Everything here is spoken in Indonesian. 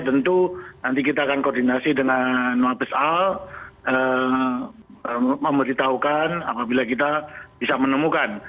tentu nanti kita akan koordinasi dengan mabes al memberitahukan apabila kita bisa menemukan